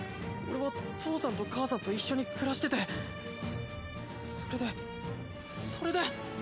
俺は父さんと母さんと一緒に暮らしててそれでそれで。